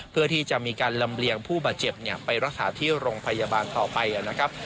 เพื่อที่จะมีการลำเลียงผู้บาดเจ็บไปรักษาที่โรงพยาบาลต่อไปนะครับ